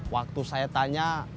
waktu saya tanya